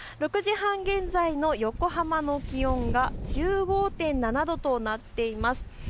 ６時半現在の横浜の気温が１５．７度となっています。